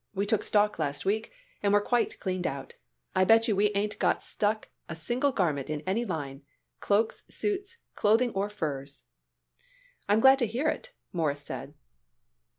We took stock last week and we're quite cleaned out. I bet you we ain't got stuck a single garment in any line cloaks, suits, clothing or furs." "I'm glad to hear it," Morris said.